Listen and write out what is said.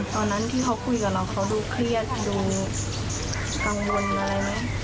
ตอนนั้นที่เขาคุยกับเราเขาดูเครียดดูกังวลอะไรไหม